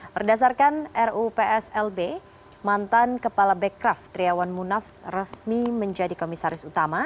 berdasarkan rupslb mantan kepala bekraf triawan munaf resmi menjadi komisaris utama